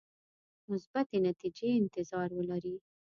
مثبتې نتیجې انتظار ولري.